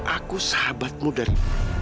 aku sahabatmu dari